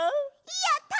やった！